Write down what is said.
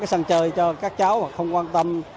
sân chơi cho các cháu không quan tâm